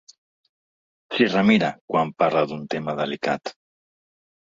S'hi remira, quan parla d'un tema delicat.